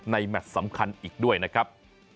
แมทสำคัญอีกด้วยนะครับ